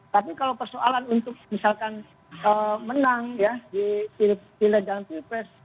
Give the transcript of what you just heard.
tapi kalau persoalan untuk misalkan menang di pilegantipres